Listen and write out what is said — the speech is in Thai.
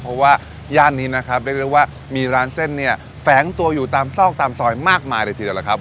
เพราะว่าย่านนี้นะครับเรียกได้ว่ามีร้านเส้นเนี่ยแฝงตัวอยู่ตามซอกตามซอยมากมายเลยทีเดียวล่ะครับ